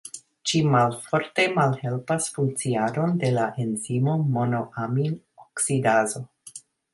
Ĝi malforte malhelpas funkciadon de la enzimo monoamin-oksidazo.